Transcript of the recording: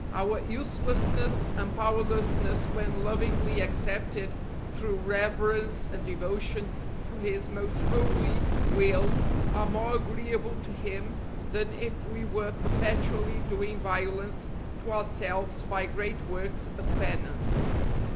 Our uselessness and powerlessness when lovingly accepted through reverence and devotion to His most holy will are more agreeable to Him than if we were perpetually doing violence to ourselves by great works of penance.